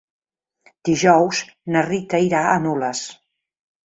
Dijous na Rita irà a Nules.